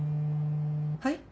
はい？